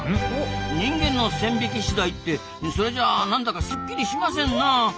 人間の線引き次第ってそれじゃあ何だかすっきりしませんなあ。